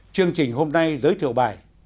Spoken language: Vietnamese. chương trình hôm nay giới thiệu bài